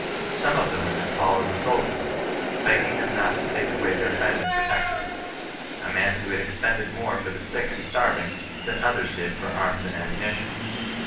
Some of the women followed the soldiers, beg gmg them not to take away their friend and protector, a man who expended more for the sick and starving than others did for arms and ammunition.